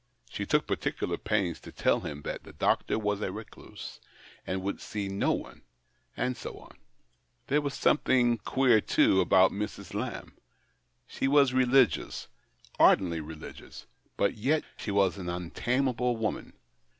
She took particular pains to tell him that the doctor was a recluse and would see no one — and so on. There was something queer, too, about Mrs. Lamb. She was religious — ardently religious, but yet she was an untamable woman.